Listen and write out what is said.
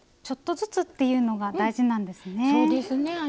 ちょっとずつっていうのが大事なんですね。